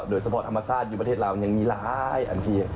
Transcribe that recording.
โดยสปอร์ตธรรมศาสตร์อยู่ประเทศราวยังมีหลายอันที